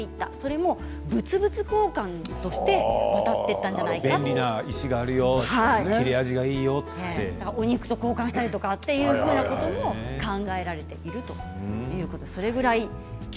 それも物々交換として渡っていったんじゃないかとお肉と交換したりということも考えられているということです。